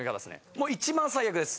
もう一番最悪です！